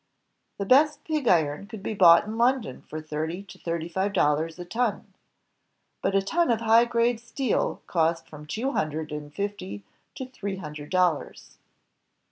The best pig iron could be bought in London for thirty to thirty five dollars a ton, but a ton of high grade steel cost from two hundred and fifty to three hundred dollars.